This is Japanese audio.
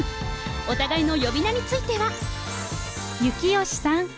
お互いの呼び名については。